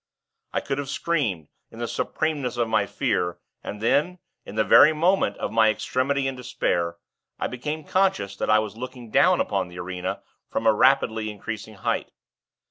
I could have screamed, in the supremeness of my fear; and then, in the very moment of my extremity and despair, I became conscious that I was looking down upon the arena, from a rapidly increasing height.